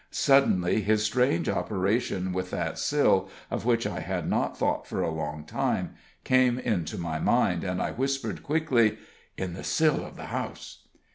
Suddenly his strange operation with that sill, of which I had not thought for a long time, came into my mind, and I whispered, quickly: "In the sill of the house?"